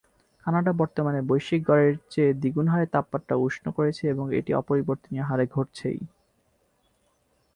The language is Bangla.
কানাডা বর্তমানে বৈশ্বিক গড়ের চেয়ে দ্বিগুণ হারে তাপমাত্রা উষ্ণ করছে এবং এটি অপরিবর্তনীয় হারে ঘটছেই।